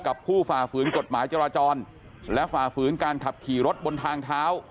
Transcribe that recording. ผู้ฝ่าฝืนกฎหมายจราจรและฝ่าฝืนการขับขี่รถบนทางเท้า